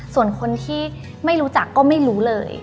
ส่วนคนที่ไม่รู้จักก็ไม่รู้เลย